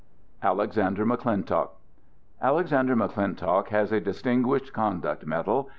Digitized by ALEXANDER McCLINTOCK Alexander McClintock has a Distinguished Conduct Medal.